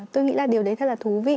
tôi nghĩ là điều đấy rất là thú vị